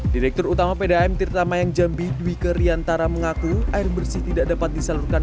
direktur utama pdam tirta mayang jambi dwike riantara mengaku air bersih tidak dapat disalurkan